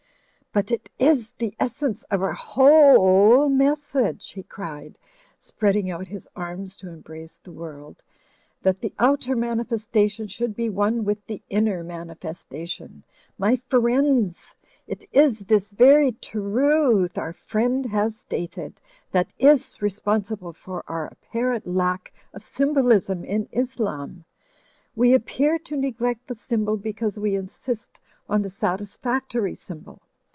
"But it iss the essence of our who ole message," he cried, spreading out his arms to embrace the world, "that the outer manifestation should be one with the inner manifestation. My friendss, it iss this very tru uth our friend has stated, that iss responsible for our apparent lack of s)anbolism in Islam! We ap pear to neglect the s)anbol because we insist on the satisfactory symbol.